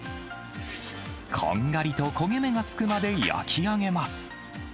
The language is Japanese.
こんがりと焦げ目がつくまで焼き上げます。